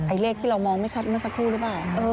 เลขที่เรามองไม่ชัดเมื่อสักครู่หรือเปล่า